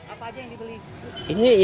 apa aja yang dibeli